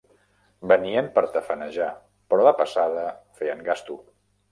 Venien per tafanejar, però de passada feien gasto.